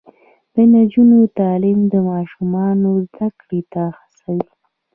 د نجونو تعلیم د ماشومانو زدکړې ته هڅوي.